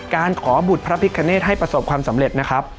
การขอบุตรพระพิคเนตให้ประสบความสำเร็จนะครับ